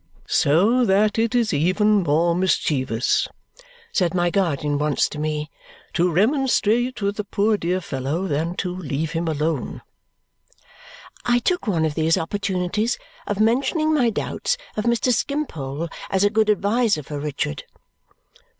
"So that it is even more mischievous," said my guardian once to me, "to remonstrate with the poor dear fellow than to leave him alone." I took one of these opportunities of mentioning my doubts of Mr. Skimpole as a good adviser for Richard.